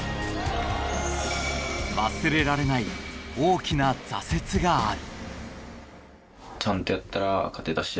忘れられない大きな挫折がある。